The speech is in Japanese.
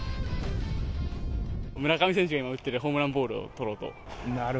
村上選手が今打ってるホームランボールを取ろうと。